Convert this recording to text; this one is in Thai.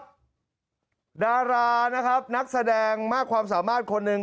ดารานะครับนักแสดงมากความสามารถคนหนึ่ง